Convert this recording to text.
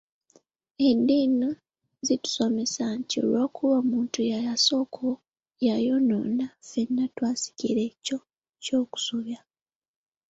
Eddiini zitusomesa nti olw'okuba omuntu eyasooka yayonoona ffenna twasikira ekyo eky'okusobya.